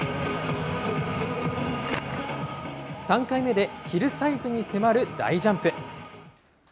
３回目でヒルサイズに迫る大ジャンプ。